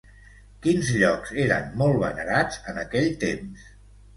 Quins llocs eren molt venerats en aquell temps?